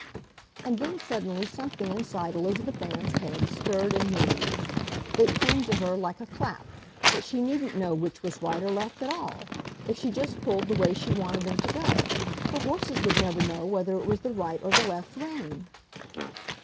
And then suddenly something inside Elizabeth Ann's head stirred and moved. It came to her, like a clap, that she needn't know which was right or left at all. If she just pulled the way she wanted them to go—the horses would never know whether it was the right or the left rein!